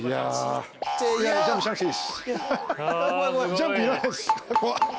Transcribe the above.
ジャンプいらないです。